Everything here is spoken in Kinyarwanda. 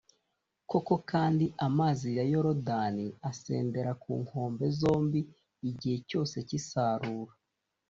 koko kandi amazi ya yorudani asendera ku nkombe zombi igihe cyose cy’isarura